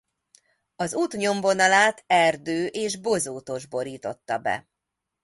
Az út nyomvonalát erdő és bozótos borította be.